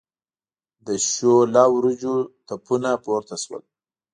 د شوله وریجو تپونه پورته شول.